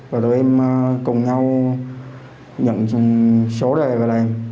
và tụi em cùng nhau nhận số đề và làm